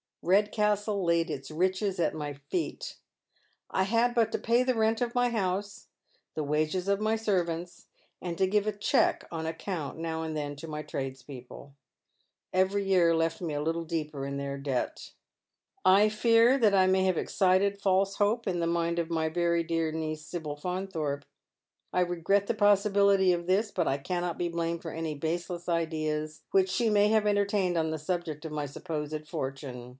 Eedcastle laid its riches at my feet. I had but to pay the rent of my house, the wages of my servants, and to j^ive a cheque on account now and then to my tradespeople. Every year left me a little deeper in their debt. •• I fear that I may have excited false hope in tho mind of my ''ery dear niece, Sibyl Faunthorpe. I regret the possibility of this, but I cannot be blamed for any baseless ideas which she may have entertained on the subject of my supposed fortune.